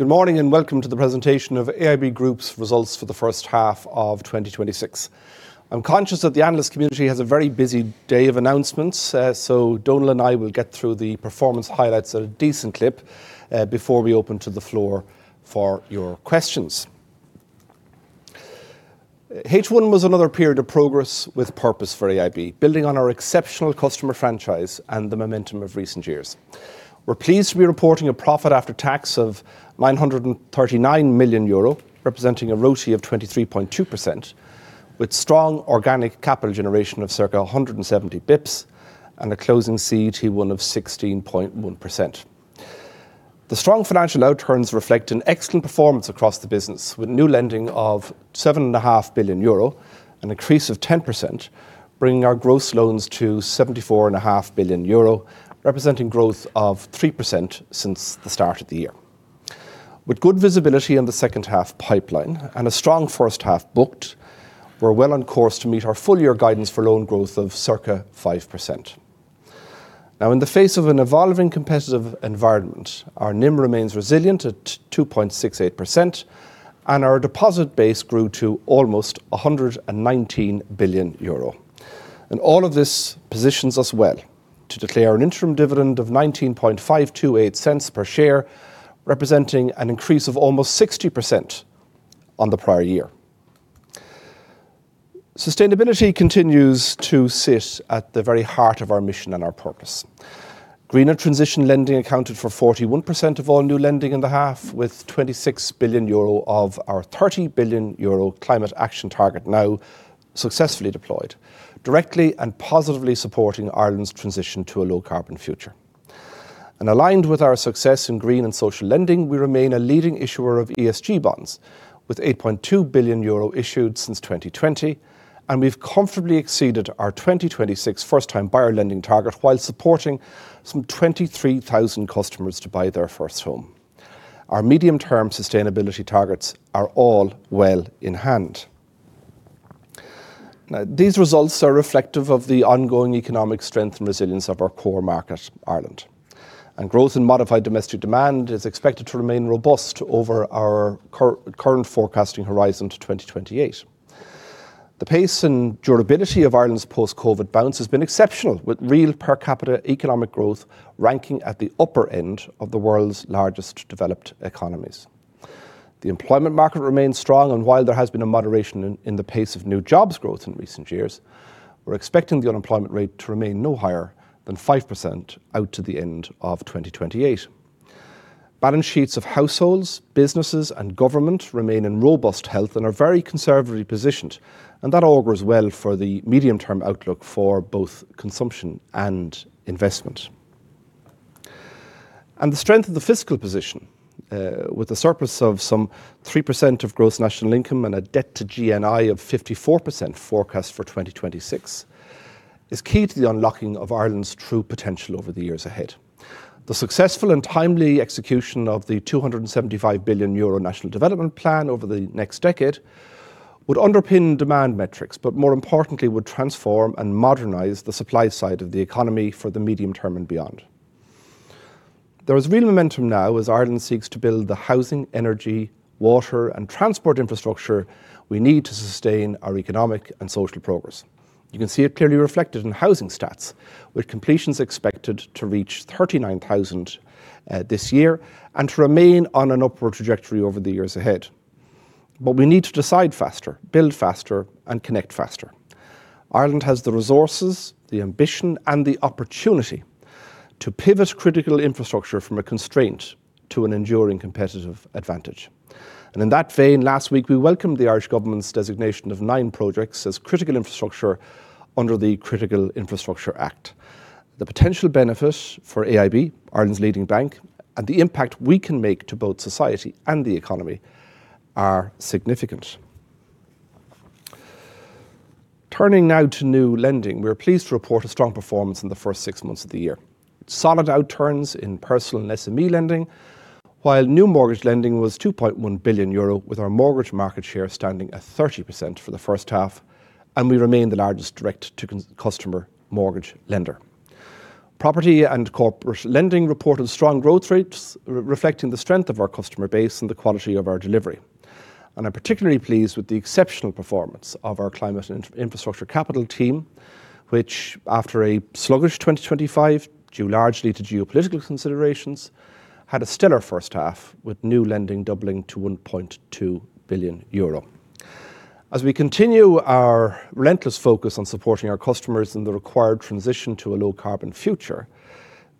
Good morning, welcome to the presentation of AIB Group's results for the first half of 2026. I'm conscious that the analyst community has a very busy day of announcements. Donal and I will get through the performance highlights at a decent clip before we open to the floor for your questions. H1 was another period of progress with purpose for AIB, building on our exceptional customer franchise and the momentum of recent years. We're pleased to be reporting a profit after tax of 939 million euro, representing a ROTE of 23.2%, with strong organic capital generation of circa 170 basis points and a closing CET1 of 16.1%. The strong financial outturns reflect an excellent performance across the business, with new lending of 7.5 billion euro, an increase of 10%, bringing our gross loans to 74.5 billion euro, representing growth of 3% since the start of the year. With good visibility in the second half pipeline and a strong first half booked, we're well on course to meet our full-year guidance for loan growth of circa 5%. In the face of an evolving competitive environment, our NIM remains resilient at 2.68%, and our deposit base grew to almost 119 billion euro. All of this positions us well to declare an interim dividend of 0.19528 per share, representing an increase of almost 60% on the prior year. Sustainability continues to sit at the very heart of our mission and our purpose. Greener transition lending accounted for 41% of all new lending in the half, with 26 billion euro of our 30 billion euro climate action target now successfully deployed, directly and positively supporting Ireland's transition to a low-carbon future. Aligned with our success in green and social lending, we remain a leading issuer of ESG bonds, with 8.2 billion euro issued since 2020. We've comfortably exceeded our 2026 first-time buyer lending target while supporting some 23,000 customers to buy their first home. Our medium-term sustainability targets are all well in hand. These results are reflective of the ongoing economic strength and resilience of our core market, Ireland. Growth in modified domestic demand is expected to remain robust over our current forecasting horizon to 2028. The pace and durability of Ireland's post-COVID bounce has been exceptional, with real per capita economic growth ranking at the upper end of the world's largest developed economies. The employment market remains strong, and while there has been a moderation in the pace of new jobs growth in recent years, we're expecting the unemployment rate to remain no higher than 5% out to the end of 2028. Balance sheets of households, businesses, and government remain in robust health and are very conservatively positioned, and that augurs well for the medium-term outlook for both consumption and investment. The strength of the fiscal position, with a surplus of some 3% of gross national income and a debt to GNI of 54% forecast for 2026, is key to the unlocking of Ireland's true potential over the years ahead. The successful and timely execution of the 275 billion euro National Development Plan over the next decade would underpin demand metrics, but more importantly, would transform and modernize the supply side of the economy for the medium term and beyond. There is real momentum now as Ireland seeks to build the housing, energy, water, and transport infrastructure we need to sustain our economic and social progress. You can see it clearly reflected in housing stats, with completions expected to reach 39,000 this year and to remain on an upward trajectory over the years ahead. We need to decide faster, build faster, and connect faster. Ireland has the resources, the ambition, and the opportunity to pivot critical infrastructure from a constraint to an enduring competitive advantage. In that vein, last week, we welcomed the Irish government's designation of nine projects as critical infrastructure under the Critical Infrastructure Act. The potential benefit for AIB, Ireland's leading bank, and the impact we can make to both society and the economy are significant. Turning now to new lending. We're pleased to report a strong performance in the first six months of the year. Solid outturns in personal and SME lending, while new mortgage lending was 2.1 billion euro, with our mortgage market share standing at 30% for the first half, we remain the largest direct-to-customer mortgage lender. Property and corporate lending reported strong growth rates, reflecting the strength of our customer base and the quality of our delivery. I'm particularly pleased with the exceptional performance of our Climate and Infrastructure Capital team, which after a sluggish 2025, due largely to geopolitical considerations, had a stellar first half, with new lending doubling to 1.2 billion euro. As we continue our relentless focus on supporting our customers in the required transition to a low-carbon future,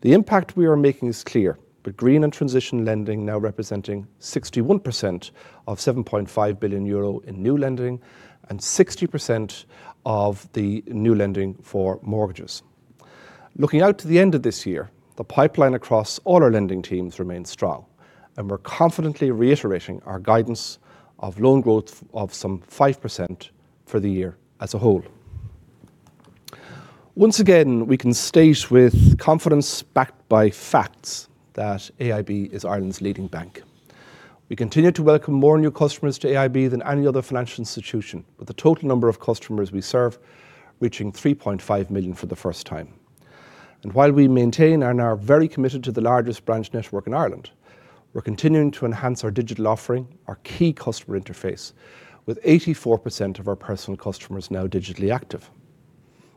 the impact we are making is clear, with green and transition lending now representing 61% of 7.5 billion euro in new lending and 60% of the new lending for mortgages. Looking out to the end of this year, the pipeline across all our lending teams remains strong, and we're confidently reiterating our guidance of loan growth of some 5% for the year as a whole. Once again, we can state with confidence backed by facts that AIB is Ireland's leading bank. We continue to welcome more new customers to AIB than any other financial institution, with the total number of customers we serve reaching 3.5 million for the first time. While we maintain and are very committed to the largest branch network in Ireland, we're continuing to enhance our digital offering, our key customer interface, with 84% of our personal customers now digitally active.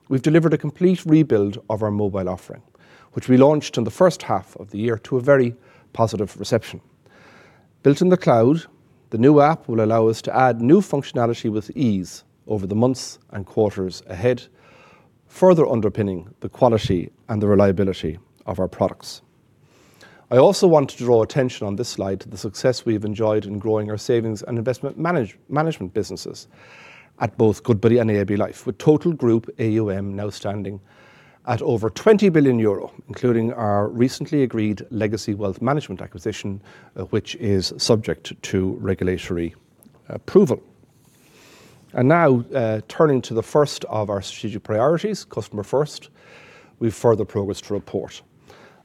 We've delivered a complete rebuild of our mobile offering, which we launched in the first half of the year to a very positive reception. Built in the cloud, the new app will allow us to add new functionality with ease over the months and quarters ahead, further underpinning the quality and the reliability of our products. I also want to draw attention on this slide to the success we've enjoyed in growing our savings and investment management businesses at both Goodbody and AIB Life, with total group AUM now standing at over 20 billion euro, including our recently agreed Legacy Wealth Management acquisition, which is subject to regulatory approval. Turning to the first of our strategic priorities, Customer First, we've further progressed to report.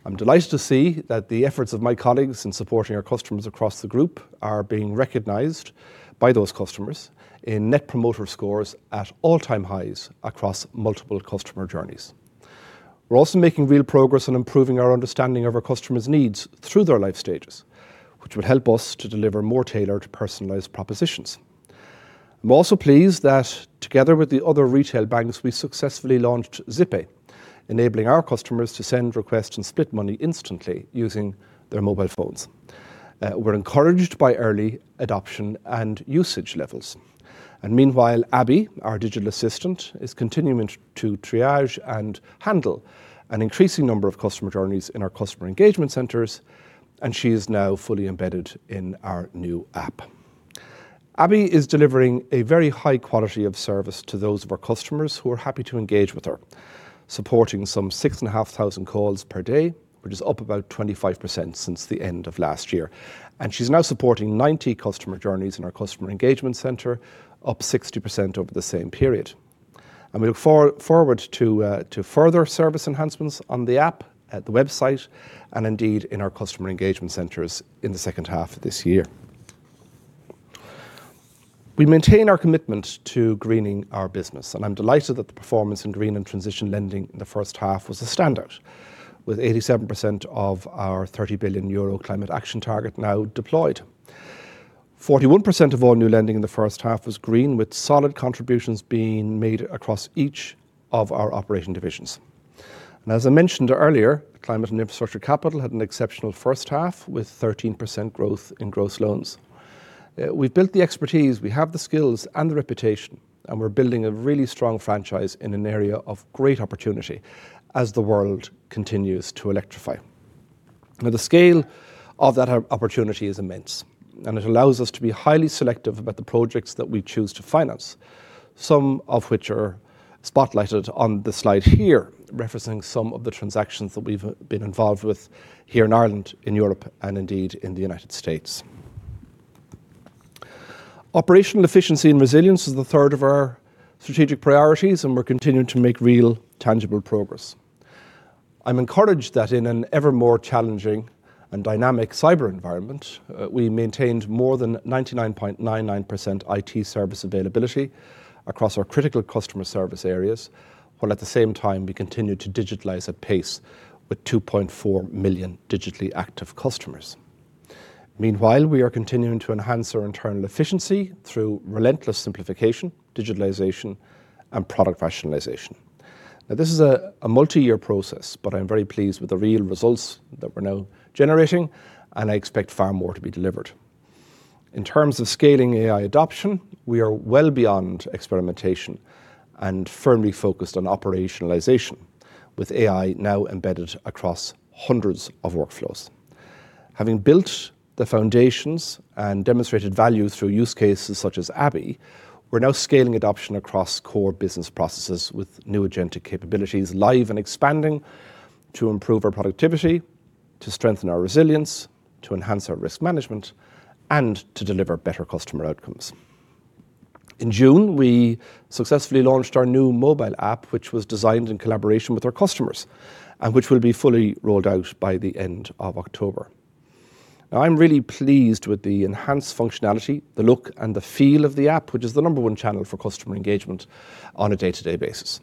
I'm delighted to see that the efforts of my colleagues in supporting our customers across the group are being recognized by those customers in net promoter scores at all-time highs across multiple customer journeys. We're also making real progress on improving our understanding of our customers' needs through their life stages, which will help us to deliver more tailored, personalized propositions. I'm also pleased that, together with the other retail banks, we successfully launched Zippay, enabling our customers to send requests and split money instantly using their mobile phones. We're encouraged by early adoption and usage levels. Meanwhile, Abi, our digital assistant, is continuing to triage and handle an increasing number of customer journeys in our customer engagement centers, and she is now fully embedded in our new app. Abi is delivering a very high quality of service to those of our customers who are happy to engage with her, supporting some 6,500 calls per day, which is up about 25% since the end of last year. She's now supporting 90 customer journeys in our customer engagement center, up 60% over the same period. We look forward to further service enhancements on the app, at the website, and indeed in our customer engagement centers in the second half of this year. We maintain our commitment to greening our business, and I'm delighted that the performance in green and transition lending in the first half was a standout, with 87% of our 30 billion euro Climate Action Target now deployed. 41% of all new lending in the first half was green, with solid contributions being made across each of our operating divisions. As I mentioned earlier, Climate and Infrastructure Capital had an exceptional first half, with 13% growth in gross loans. We've built the expertise, we have the skills and the reputation, and we're building a really strong franchise in an area of great opportunity as the world continues to electrify. Now, the scale of that opportunity is immense, and it allows us to be highly selective about the projects that we choose to finance, some of which are spotlighted on the slide here, referencing some of the transactions that we've been involved with here in Ireland, in Europe, and indeed in the U.S. Operational Efficiency and Resilience is the third of our strategic priorities, and we're continuing to make real tangible progress. I'm encouraged that in an ever more challenging and dynamic cyber environment, we maintained more than 99.99% IT service availability across our critical customer service areas, while at the same time, we continued to digitalize at pace, with 2.4 million digitally active customers. Meanwhile, we are continuing to enhance our internal efficiency through relentless simplification, digitalization, and product rationalization. Now, this is a multi-year process, but I'm very pleased with the real results that we're now generating, and I expect far more to be delivered. In terms of scaling AI adoption, we are well beyond experimentation and firmly focused on operationalization, with AI now embedded across hundreds of workflows. Having built the foundations and demonstrated value through use cases such as Abi, we're now scaling adoption across core business processes with new agentic capabilities live and expanding to improve our productivity, to strengthen our resilience, to enhance our risk management, and to deliver better customer outcomes. In June, we successfully launched our new mobile app, which was designed in collaboration with our customers, and which will be fully rolled out by the end of October. Now, I'm really pleased with the enhanced functionality, the look, and the feel of the app, which is the number one channel for customer engagement on a day-to-day basis.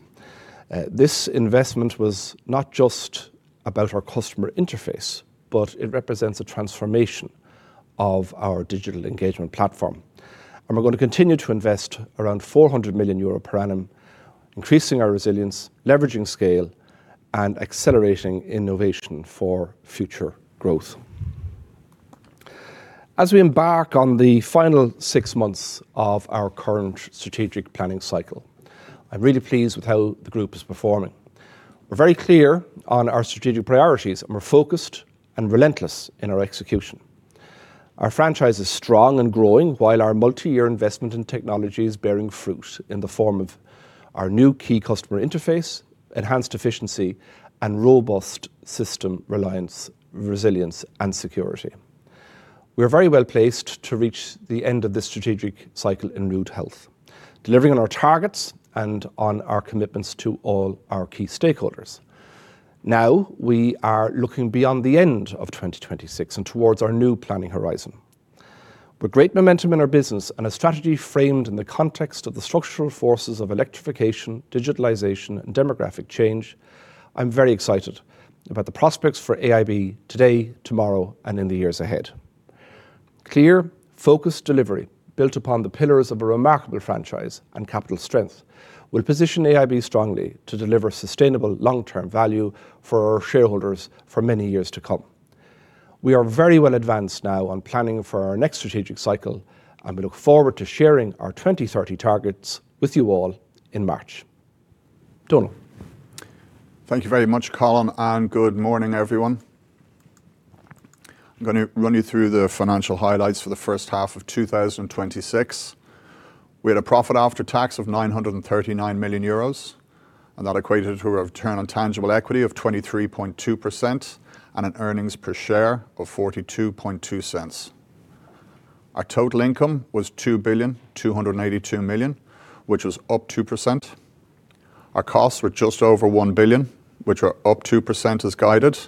This investment was not just about our customer interface, but it represents a transformation of our digital engagement platform. We're going to continue to invest around 400 million euro per annum, increasing our resilience, leveraging scale, and accelerating innovation for future growth. As we embark on the final six months of our current strategic planning cycle, I'm really pleased with how the group is performing. We're very clear on our strategic priorities, and we're focused and relentless in our execution. Our franchise is strong and growing, while our multi-year investment in technology is bearing fruit in the form of our new key customer interface, enhanced efficiency, and robust system reliance, resilience, and security. We are very well-placed to reach the end of this strategic cycle in good health, delivering on our targets and on our commitments to all our key stakeholders. Now, we are looking beyond the end of 2026 and towards our new planning horizon. With great momentum in our business and a strategy framed in the context of the structural forces of electrification, digitalization, and demographic change, I'm very excited about the prospects for AIB today, tomorrow, and in the years ahead. Clear, focused delivery, built upon the pillars of a remarkable franchise and capital strength, will position AIB strongly to deliver sustainable long-term value for our shareholders for many years to come. We are very well advanced now on planning for our next strategic cycle, and we look forward to sharing our 2030 targets with you all in March. Donal. Thank you very much, Colin, and good morning, everyone. I'm going to run you through the financial highlights for the first half of 2026. We had a profit after tax of 939 million euros, and that equated to a return on tangible equity of 23.2% and an earnings per share of 0.422. Our total income was 2,282,000,000, which was up 2%. Our costs were just over 1 billion, which were up 2% as guided,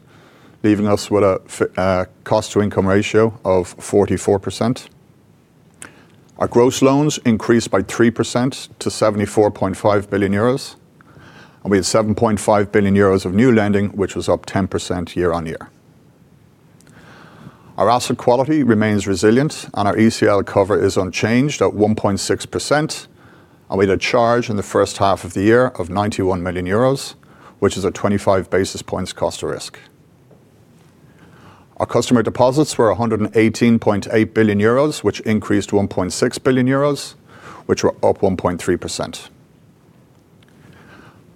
leaving us with a cost-to-income ratio of 44%. Our gross loans increased by 3% to 74.5 billion euros. We had 7.5 billion euros of new lending, which was up 10% year-on-year. Our asset quality remains resilient, and our ECL cover is unchanged at 1.6%, and we had a charge in the first half of the year of 91 million euros, which is a 25 basis points cost risk. Our customer deposits were 118.8 billion euros, which increased 1.6 billion euros, which were up 1.3%.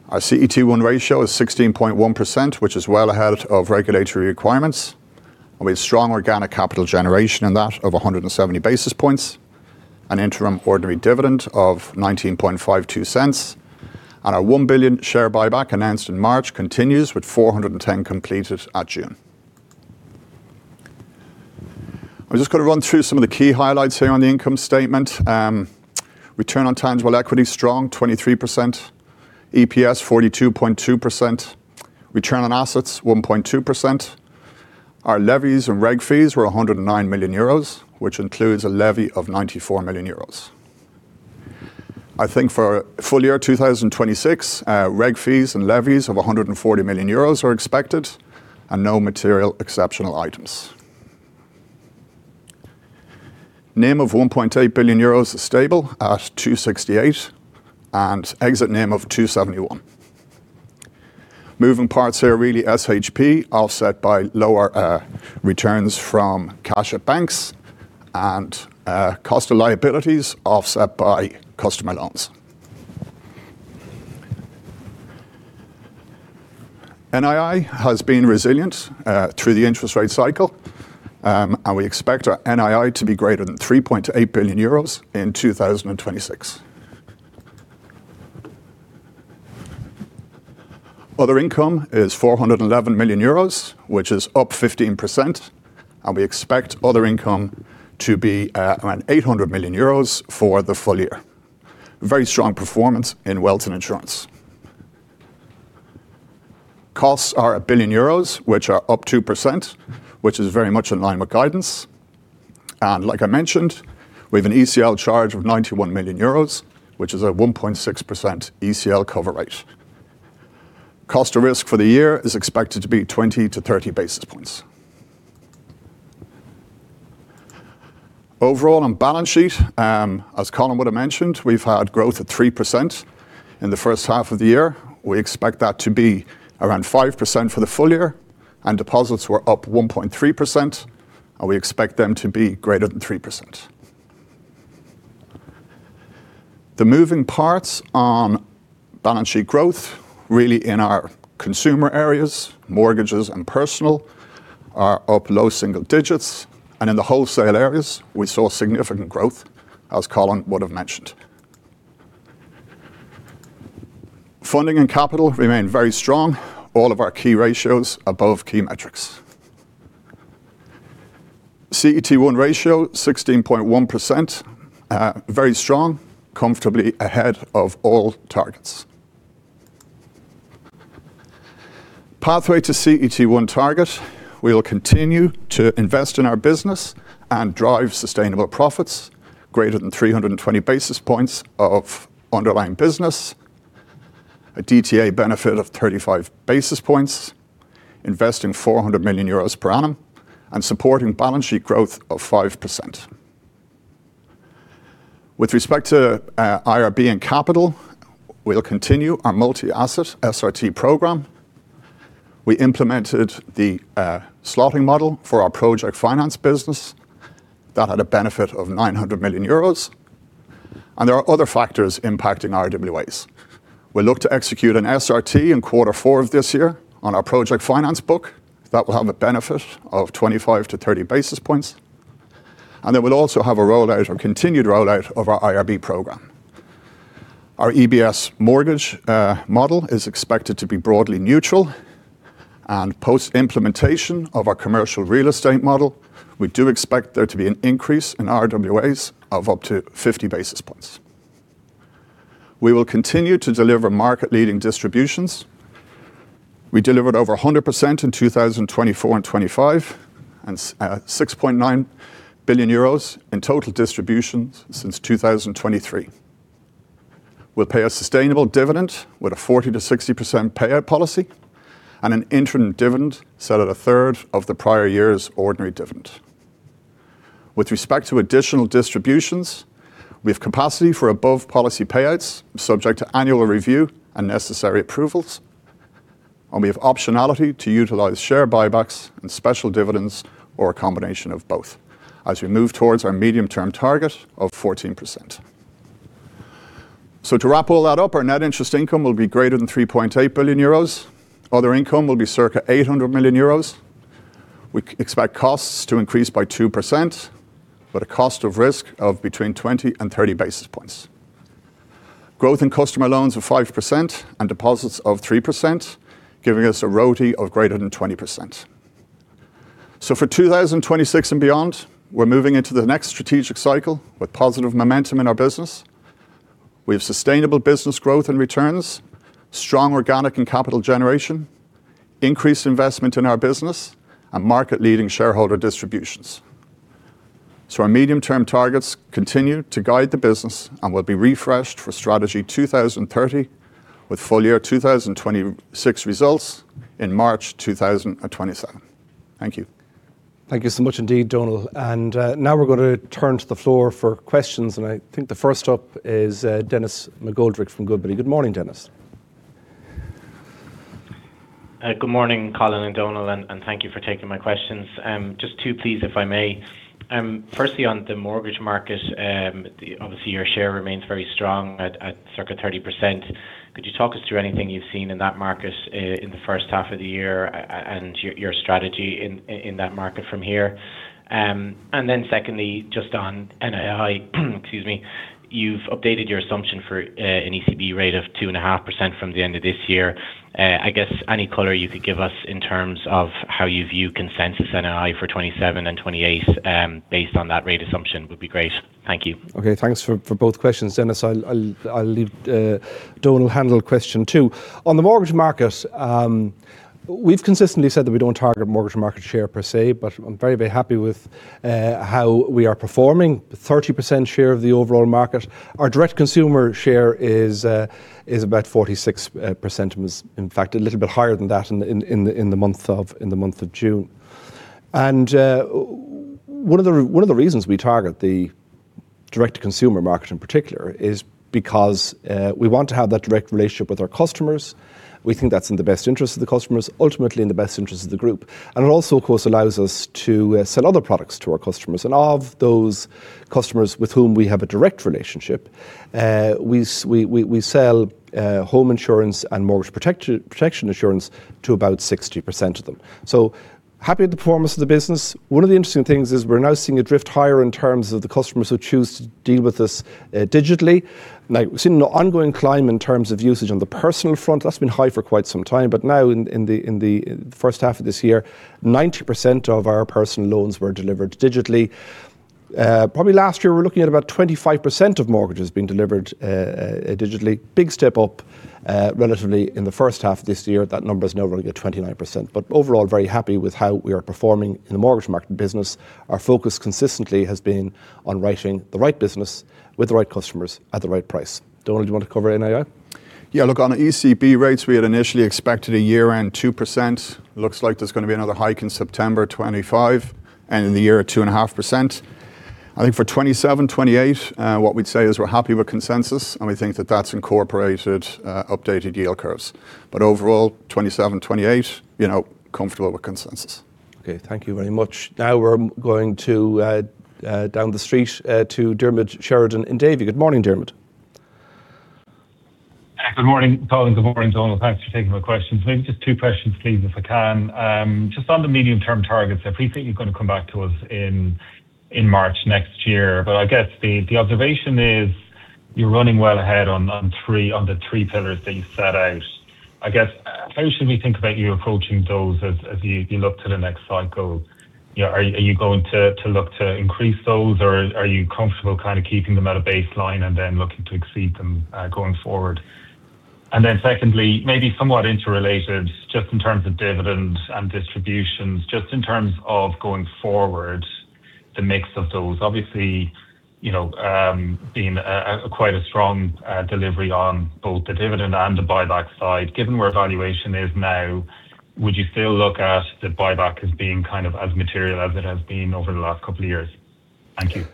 Our CET1 ratio is 16.1%, which is well ahead of regulatory requirements, and we have strong organic capital generation in that of 170 basis points, an interim ordinary dividend of 0.19528, and our 1 billion share buyback announced in March continues with 410 milion completed at June. I'm just going to run through some of the key highlights here on the income statement. Return on tangible equity is strong, 23%. EPS, 42.2%. Return on assets, 1.2%. Our levies and reg fees were 109 million euros, which includes a levy of 94 million euros. I think for full year 2026, reg fees and levies of 140 million euros are expected and no material exceptional items. NIM of 1.8 billion euros is stable at 2.68% and exit NIM of 2.71%. Moving parts here, really SHP offset by lower returns from cash at banks and cost of liabilities offset by customer loans. NII has been resilient through the interest rate cycle, and we expect our NII to be greater than 3.8 billion euros in 2026. Other income is 411 million euros, which is up 15%, and we expect other income to be around 800 million euros for the full year. Very strong performance in wealth and insurance. Costs are 1 billion euros, which are up 2%, which is very much in line with guidance. Like I mentioned, we have an ECL charge of 91 million euros, which is a 1.6% ECL cover rate. Cost of risk for the year is expected to be 20-30 basis points. Overall, on balance sheet, as Colin would have mentioned, we've had growth of 3% in the first half of the year. We expect that to be around 5% for the full year, deposits were up 1.3%, and we expect them to be greater than 3%. The moving parts on balance sheet growth, really in our consumer areas, mortgages and personal, are up low single digits, and in the wholesale areas, we saw significant growth, as Colin would have mentioned. Funding and capital remain very strong. All of our key ratios above key metrics. CET1 ratio, 16.1%, very strong, comfortably ahead of all targets. Pathway to CET1 target, we will continue to invest in our business and drive sustainable profits greater than 320 basis points of underlying business, a DTA benefit of 35 basis points, investing 400 million euros per annum, and supporting balance sheet growth of 5%. With respect to IRB and capital, we'll continue our multi-asset SRT program. We implemented the slotting model for our project finance business. That had a benefit of 900 million euros. There are other factors impacting RWAs. We look to execute an SRT in quarter four of this year on our project finance book. That will have a benefit of 25-30 basis points. Then we'll also have a rollout or continued rollout of our IRB program. Our EBS mortgage model is expected to be broadly neutral, and post-implementation of our commercial real estate model, we do expect there to be an increase in RWAs of up to 50 basis points. We will continue to deliver market-leading distributions. We delivered over 100% in 2024 and 2025, 6.9 billion euros in total distributions since 2023. We'll pay a sustainable dividend with a 40%-60% payout policy, an interim dividend set at a third of the prior year's ordinary dividend. With respect to additional distributions, we have capacity for above policy payouts subject to annual review and necessary approvals, and we have optionality to utilize share buybacks and special dividends or a combination of both as we move towards our medium-term target of 14%. To wrap all that up, our net interest income will be greater than 3.8 billion euros. Other income will be circa 800 million euros. We expect costs to increase by 2%, with a cost of risk of between 20 and 30 basis points. Growth in customer loans of 5% and deposits of 3%, giving us a ROTE of greater than 20%. For 2026 and beyond, we're moving into the next strategic cycle with positive momentum in our business. We have sustainable business growth and returns, strong organic and capital generation, increased investment in our business, and market-leading shareholder distributions. Our medium-term targets continue to guide the business and will be refreshed for Strategy 2030 with full-year 2026 results in March 2027. Thank you. Thank you so much indeed, Donal. Now we're going to turn to the floor for questions. I think the first up is Denis McGoldrick from Goodbody. Good morning, Denis. Good morning, Colin and Donal. Thank you for taking my questions. Just two, please, if I may. Firstly, on the mortgage market, obviously, your share remains very strong at circa 30%. Could you talk us through anything you've seen in that market in the first half of the year and your strategy in that market from here? Then secondly, just on NII, excuse me. You've updated your assumption for an ECB rate of 2.5% from the end of this year. I guess any color you could give us in terms of how you view consensus NII for 2027 and 2028 based on that rate assumption would be great. Thank you. Okay. Thanks for both questions, Denis. I'll leave Donal to handle question two. On the mortgage market, we've consistently said that we don't target mortgage market share per se, but I'm very happy with how we are performing, 30% share of the overall market. Our direct consumer share is about 46%, and was, in fact, a little bit higher than that in the month of June. One of the reasons we target the direct consumer market in particular is because we want to have that direct relationship with our customers. We think that's in the best interest of the customers, ultimately in the best interest of the group. It also, of course, allows us to sell other products to our customers. Of those customers with whom we have a direct relationship, we sell home insurance and mortgage protection assurance to about 60% of them. Happy with the performance of the business. One of the interesting things is we're now seeing a drift higher in terms of the customers who choose to deal with us digitally. We've seen an ongoing climb in terms of usage on the personal front. That's been high for quite some time. Now, in the first half of this year, 90% of our personal loans were delivered digitally. Probably last year, we were looking at about 25% of mortgages being delivered digitally. Big step up relatively in the first half of this year. That number is now running at 29%. Overall, very happy with how we are performing in the mortgage market business. Our focus consistently has been on writing the right business with the right customers at the right price. Donal, do you want to cover NII? On ECB rates, we had initially expected a year-end 2%. Looks like there's going to be another hike in September 2026, and in the year at 2.5%. I think for 2027, 2028, what we'd say is we're happy with consensus, and we think that that's incorporated updated yield curves. Overall, 2027, 2028, comfortable with consensus. Okay. Thank you very much. Now we're going down the street to Diarmaid Sheridan in Davy. Good morning, Diarmaid. Good morning, Colin. Good morning, Donal. Thanks for taking my questions. Maybe just two questions, please, if I can. Just on the medium-term targets, I appreciate you're going to come back to us in March next year, but I guess the observation is you're running well ahead on the three pillars that you set out. I guess, how should we think about you approaching those as you look to the next cycle? Are you going to look to increase those, or are you comfortable kind of keeping them at a baseline and then looking to exceed them going forward? Secondly, maybe somewhat interrelated, just in terms of dividends and distributions, just in terms of going forward, the mix of those. Obviously, being quite a strong delivery on both the dividend and the buyback side. Given where valuation is now, would you still look at the buyback as being kind of as material as it has been over the last couple of years? Thank you.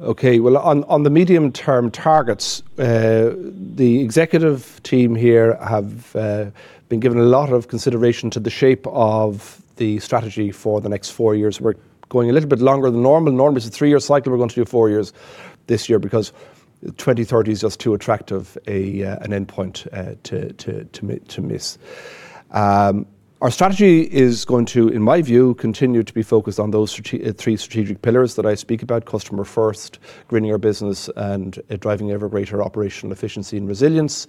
Okay. Well, on the medium-term targets, the executive team here have been giving a lot of consideration to the shape of the strategy for the next four years. We're going a little bit longer than normal. Normally, it's a three-year cycle. We're going to do four years this year because 2030 is just too attractive an endpoint to miss. Our strategy is going to, in my view, continue to be focused on those three strategic pillars that I speak about, customer first, greening our business, and driving ever greater operational efficiency and resilience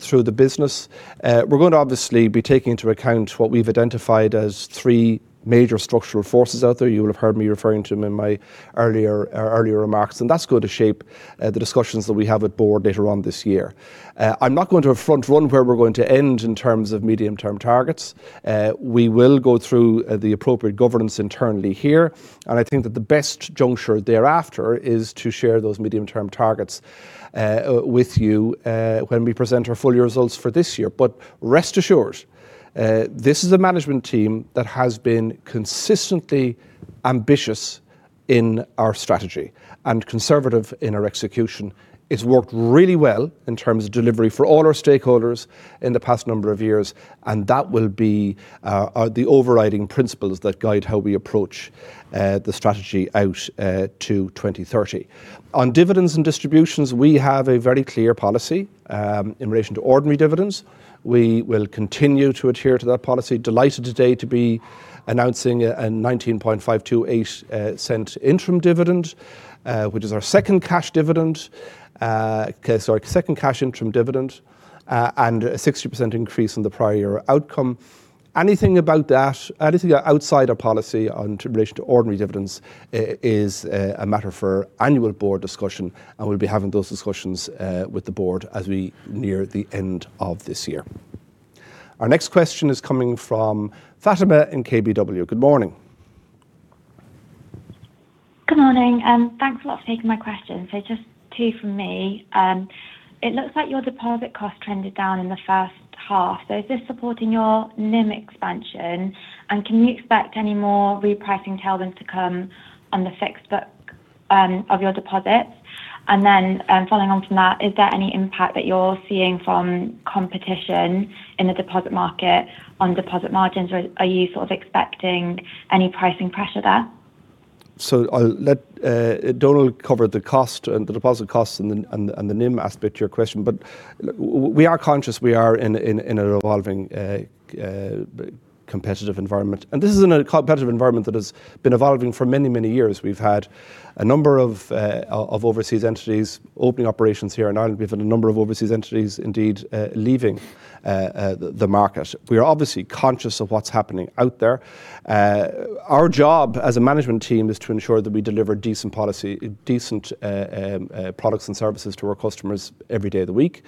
through the business. We're going to obviously be taking into account what we've identified as three major structural forces out there. You will have heard me referring to them in my earlier remarks, that's going to shape the discussions that we have at board later on this year. I'm not going to front run where we're going to end in terms of medium-term targets. We will go through the appropriate governance internally here. I think that the best juncture thereafter is to share those medium-term targets with you when we present our full year results for this year. Rest assured, this is a management team that has been consistently ambitious in our strategy and conservative in our execution. It's worked really well in terms of delivery for all our stakeholders in the past number of years. That will be the overriding principles that guide how we approach the Strategy out to 2030. On dividends and distributions, we have a very clear policy in relation to ordinary dividends. We will continue to adhere to that policy. Delighted today to be announcing a 0.19528 interim dividend, which is our second cash interim dividend. A 60% increase on the prior year outcome. Anything outside our policy in relation to ordinary dividends is a matter for annual board discussion. We'll be having those discussions with the board as we near the end of this year. Our next question is coming from Fatima in KBW. Good morning. Good morning. Thanks a lot for taking my question. Just two from me. It looks like your deposit cost trended down in the first half. Is this supporting your NIM expansion? Can you expect any more repricing tailwinds to come on the fixed book of your deposits? Following on from that, is there any impact that you're seeing from competition in the deposit market on deposit margins, or are you sort of expecting any pricing pressure there? I'll let Donal cover the cost and the deposit costs and the NIM aspect to your question. We are conscious we are in an evolving, competitive environment. This is in a competitive environment that has been evolving for many, many years. We've had a number of overseas entities opening operations here in Ireland. We've had a number of overseas entities, indeed, leaving the market. We are obviously conscious of what's happening out there. Our job as a management team is to ensure that we deliver decent products and services to our customers every day of the week.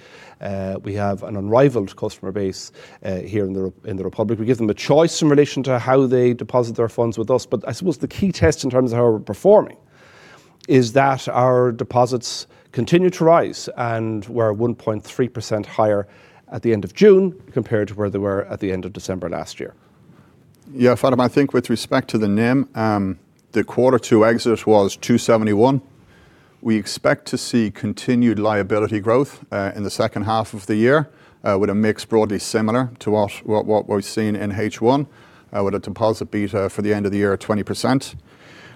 We have an unrivaled customer base here in the Republic. We give them a choice in relation to how they deposit their funds with us. I suppose the key test in terms of how we're performing is that our deposits continue to rise, and were 1.3% higher at the end of June compared to where they were at the end of December last year. Yeah, Fatima, I think with respect to the NIM, the quarter two exit was 2.71%. We expect to see continued liability growth in the second half of the year, with a mix broadly similar to what we've seen in H1, with a deposit beta for the end of the year of 20%.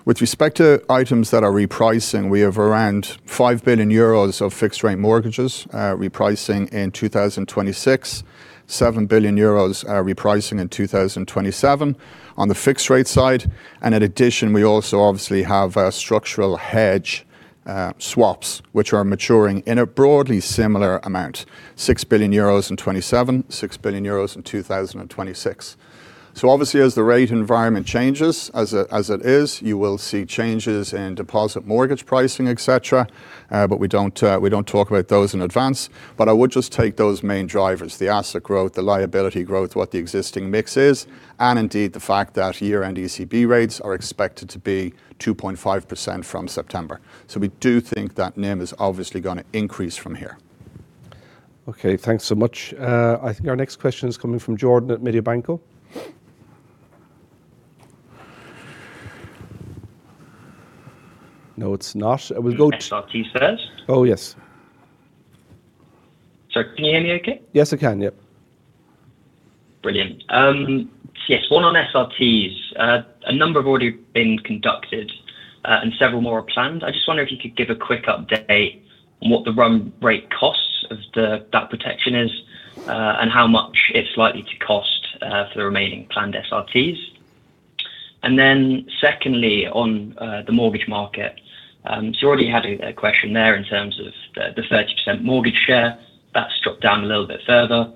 With respect to items that are repricing, we have around 5 billion euros of fixed-rate mortgages repricing in 2026, 7 billion euros repricing in 2027 on the fixed-rate side. In addition, we also obviously have structural hedge swaps, which are maturing in a broadly similar amount, 6 billion euros in 2027, 6 billion euros in 2026. Obviously as the rate environment changes, as it is, you will see changes in deposit mortgage pricing, et cetera. We don't talk about those in advance. I would just take those main drivers, the asset growth, the liability growth, what the existing mix is, and indeed, the fact that year-end ECB rates are expected to be 2.5% from September. We do think that NIM is obviously going to increase from here. Okay. Thanks so much. I think our next question is coming from Jordan at Mediobanca. No, it's not. SRT first? Oh, yes. Sorry, can you hear me okay? Yes, I can. Yep. Brilliant. Yes, one on SRTs. A number have already been conducted, and several more are planned. I just wonder if you could give a quick update on what the run rate costs of that protection is, and how much it's likely to cost for the remaining planned SRTs. Secondly, on the mortgage market, you already had a question there in terms of the 30% mortgage share. That's dropped down a little bit further.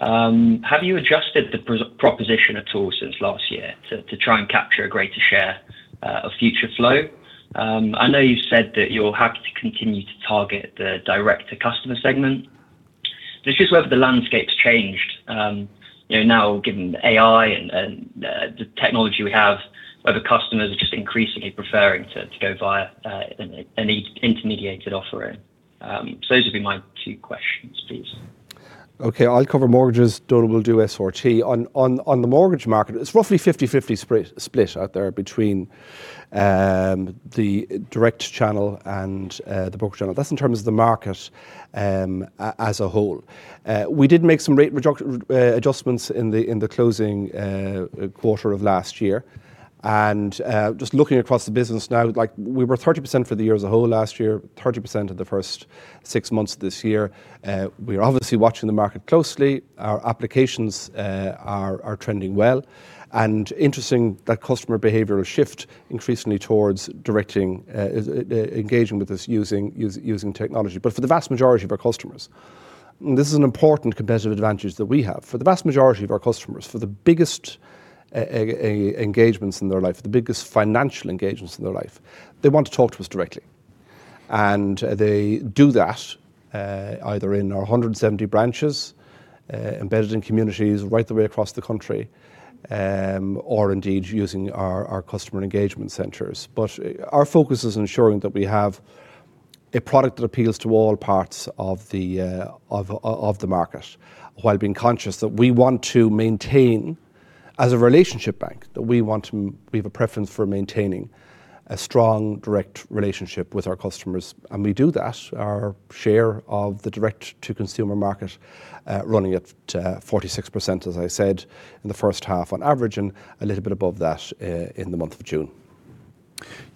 Have you adjusted the proposition at all since last year to try and capture a greater share of future flow? I know you've said that you're happy to continue to target the direct-to-customer segment. It's just whether the landscape's changed, now given AI and the technology we have, whether customers are just increasingly preferring to go via an intermediated offering. Those would be my two questions, please. Okay. I'll cover mortgages, Donal will do SRT. On the mortgage market, it's roughly 50/50 split out there between the direct channel and the broker channel. That's in terms of the market as a whole. We did make some rate adjustments in the closing quarter of last year. Just looking across the business now, we were 30% for the year as a whole last year, 30% in the first six months of this year. We are obviously watching the market closely. Our applications are trending well. Interesting, that customer behavioral shift increasingly towards engaging with us using technology. For the vast majority of our customers, this is an important competitive advantage that we have. For the vast majority of our customers, for the biggest engagements in their life, the biggest financial engagements in their life, they want to talk to us directly. They do that either in our 170 branches, embedded in communities right the way across the country, or indeed using our customer engagement centers. Our focus is ensuring that we have a product that appeals to all parts of the market while being conscious that we want to maintain, as a relationship bank, that we have a preference for maintaining a strong direct relationship with our customers, and we do that. Our share of the direct-to-consumer market running at 46%, as I said, in the first half on average, and a little bit above that in the month of June.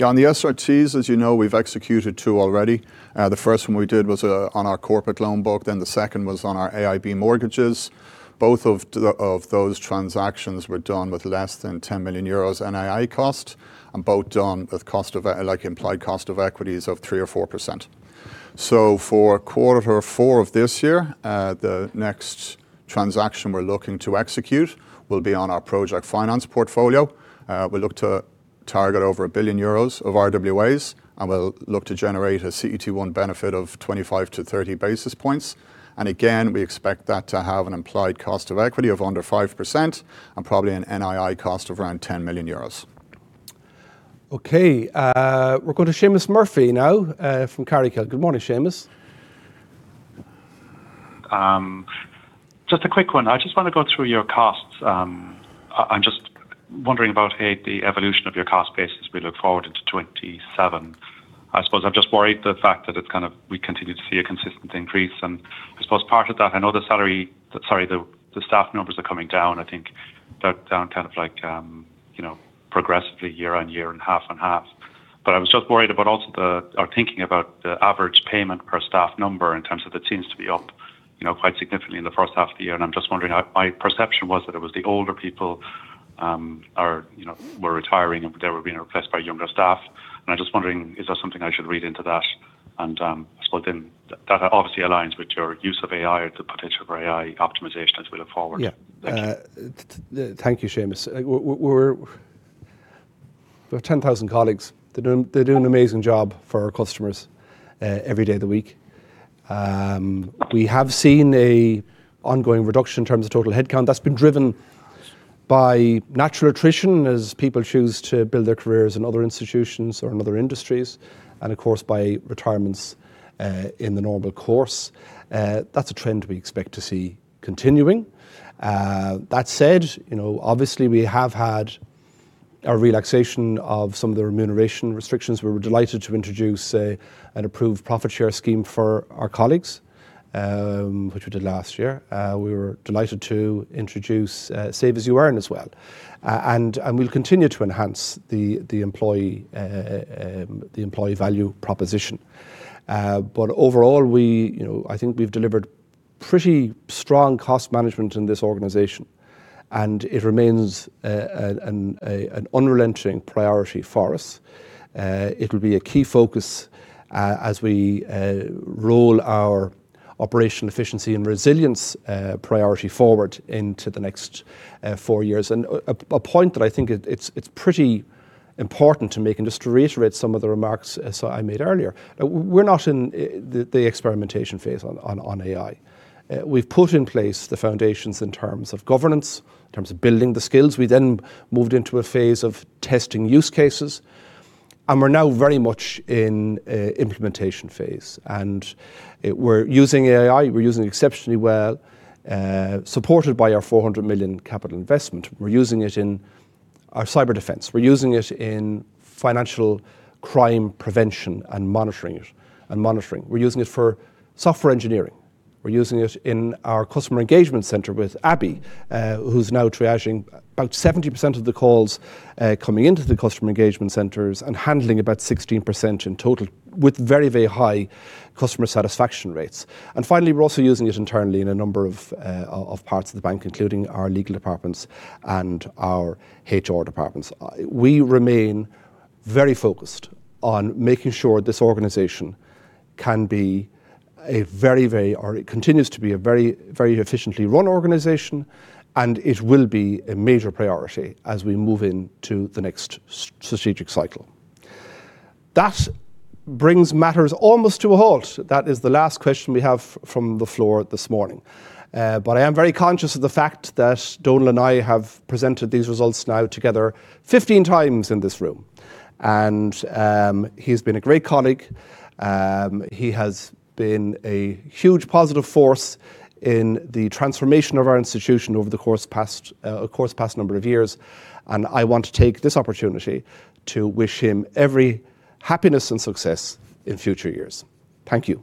On the SRTs, as you know, we've executed two already. The first one we did was on our corporate loan book. The second was on our AIB mortgages. Both of those transactions were done with less than 10 million euros NII cost, and both done with implied cost of equities of 3% or 4%. For quarter four of this year, the next transaction we're looking to execute will be on our project finance portfolio. We look to target over 1 billion euros of RWAs, and we'll look to generate a CET1 benefit of 25-30 basis points. Again, we expect that to have an implied cost of equity of under 5% and probably an NII cost of around 10 million euros. Okay. We'll go to Seamus Murphy now, from Carraighill. Good morning, Seamus. Just a quick one. I just want to go through your costs. I'm just wondering about the evolution of your cost base as we look forward into 2027. I suppose I'm just worried the fact that we continue to see a consistent increase, I suppose part of that, I know the staff numbers are coming down. I think they're down progressively year-on-year and half-on-half. I was just worried about also our thinking about the average payment per staff number in terms of it seems to be up quite significantly in the first half of the year, and I'm just wondering. My perception was that it was the older people were retiring, and they were being replaced by younger staff, and I'm just wondering, is that something I should read into that? I suppose that obviously aligns with your use of AI or the potential for AI optimization as we look forward. Yeah. Thank you, Seamus. We have 10,000 colleagues. They do an amazing job for our customers every day of the week. We have seen an ongoing reduction in terms of total headcount. That's been driven by natural attrition as people choose to build their careers in other institutions or in other industries, and of course, by retirements in the normal course. That's a trend we expect to see continuing. That said, obviously we have had a relaxation of some of the remuneration restrictions. We were delighted to introduce an approved profit share scheme for our colleagues, which we did last year. We were delighted to introduce Save As You Earn as well. We'll continue to enhance the employee value proposition. Overall, I think we've delivered pretty strong cost management in this organization, and it remains an unrelenting priority for us. It'll be a key focus as we roll our operational efficiency and resilience priority forward into the next four years. A point that I think it's pretty important to make, and just to reiterate some of the remarks I made earlier, we're not in the experimentation phase on AI. We've put in place the foundations in terms of governance, in terms of building the skills. We moved into a phase of testing use cases, and we're now very much in implementation phase. We're using AI, we're using it exceptionally well, supported by our 400 million capital investment. We're using it in our cyber defense. We're using it in financial crime prevention and monitoring. We're using it for software engineering. We're using it in our customer engagement center with Abi, who's now triaging about 70% of the calls coming into the customer engagement centers and handling about 16% in total, with very high customer satisfaction rates. Finally, we're also using it internally in a number of parts of the bank, including our legal departments and our HR departments. We remain very focused on making sure this organization continues to be a very efficiently run organization, and it will be a major priority as we move into the next strategic cycle. That brings matters almost to a halt. That is the last question we have from the floor this morning. I am very conscious of the fact that Donal and I have presented these results now together 15 times in this room. He's been a great colleague. He has been a huge positive force in the transformation of our institution over the course of the past number of years, and I want to take this opportunity to wish him every happiness and success in future years. Thank you